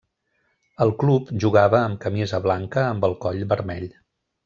El club jugava amb camisa blanca amb el coll vermell.